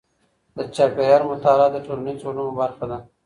د چاپېریال مطالعه د ټولنیزو علومو برخه ده.